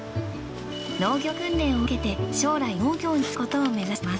農業訓練を受けて将来農業に就くことを目指しています。